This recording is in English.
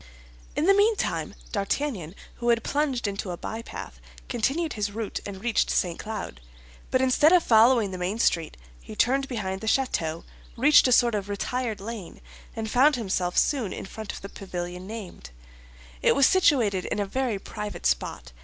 In the meantime D'Artagnan, who had plunged into a bypath, continued his route and reached St. Cloud; but instead of following the main street he turned behind the château, reached a sort of retired lane, and found himself soon in front of the pavilion named. It was situated in a very private spot.